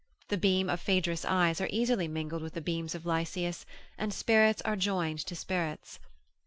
The beams of Phaedrus' eyes are easily mingled with the beams of Lycias, and spirits are joined to spirits.